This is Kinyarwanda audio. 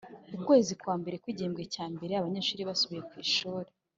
Ukwezi kwa mbere kw igihembwe cya mbere abanyeshuri basubiye kwishuri